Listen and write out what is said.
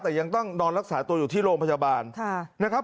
แต่ยังต้องนอนรักษาตัวอยู่ที่โรงพยาบาลนะครับ